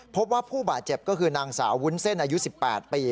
พบว่าผู้บาดเจ็บก็คือนางสาววุ้นเส้นอายุ๑๘ปี